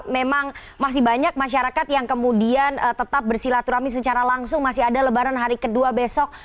memang masih banyak masyarakat yang kemudian tetap bersilaturahmi secara langsung masih ada lebaran hari kedua besok